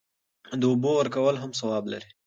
د اوبو ورکول هم ثواب لري.